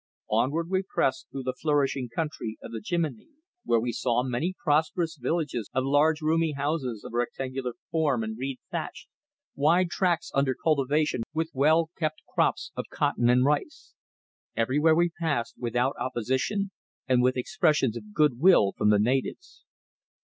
Onward we pressed through the flourishing country of the Jimini, where we saw many prosperous villages of large roomy houses of rectangular form and reed thatched, wide tracts under cultivation with well kept crops of cotton and rice. Everywhere we passed, without opposition, and with expressions of good will from the natives.